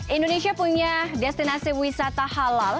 indonesia punya destinasi wisata halal